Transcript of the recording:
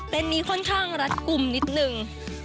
เป็นนี้ค่อนข้างรัดกลุ่มนิดนึง